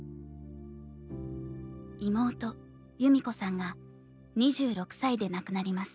妹由美子さんが２６歳で亡くなります。